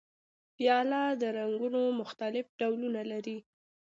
پیاله د رنګونو مختلف ډولونه لري.